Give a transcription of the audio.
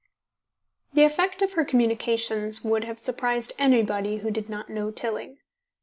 ... The effect of her communications would have surprised anybody who did not know Tilling.